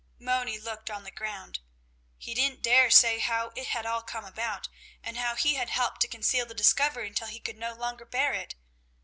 Moni looked on the ground. He didn't dare say how it had all come about, and how he had helped to conceal the discovery until he could no longer bear it.